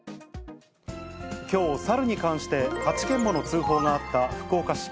きょう、サルに関して８件もの通報があった福岡市。